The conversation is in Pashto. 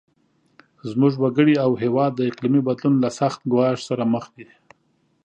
زموږ وګړي او هیواد د اقلیمي بدلون له سخت ګواښ سره مخ دي.